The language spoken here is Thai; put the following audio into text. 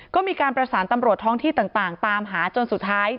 ก็มีการประสานตำรวจท้องที่ต่างตามหาจนสุดท้าย